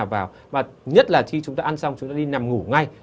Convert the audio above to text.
và nhất là khi chúng ta ăn xong chúng ta đi nằm ngủ ngay